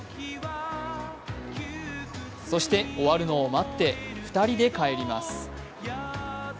そして、終わるのを待って２人で帰ります。